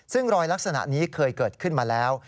ซึ่งรอยลักษณะนี้เคยเกิดขึ้นมาแล้ว